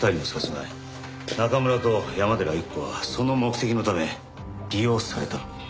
中村と山寺郁子はその目的のため利用された。